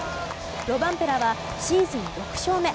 ロバンペラはシーズン６勝目。